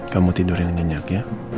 kamu tidur yang nyenyak ya